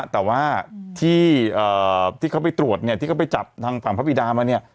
แต่ว่าที่เขาไปตรวจที่เขาไปจับทางภาพวิดามา